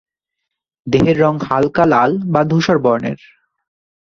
দেহের রং হালকা লাল বা ধূসর বর্ণের।